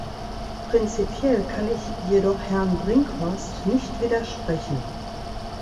Prinzipiell kann ich jedoch Herrn Brinkhorst nicht widersprechen.